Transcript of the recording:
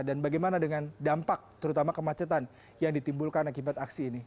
dan bagaimana dengan dampak terutama kemacetan yang ditimbulkan akibat aksi ini